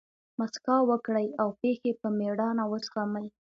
مسکا وکړئ! او پېښي په مېړانه وزغمئ!